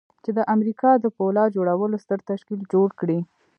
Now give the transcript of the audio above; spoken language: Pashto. چې د امريکا د پولاد جوړولو ستر تشکيل جوړ کړي.